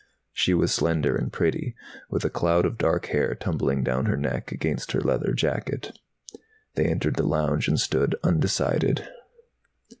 She was slender and pretty, with a cloud of dark hair tumbling down her neck, against her leather jacket. They entered the lounge and stood undecided.